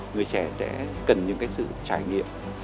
người trẻ sẽ cần những cái sự trải nghiệm